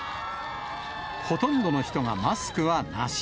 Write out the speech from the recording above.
ほとんどの人がマスクはなし。